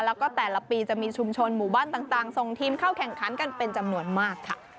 แล้วก็แต่ละปีจะมีชุมชนหมู่บ้านต่างส่งทีมเข้าแข่งขันกันเป็นจำนวนมากค่ะ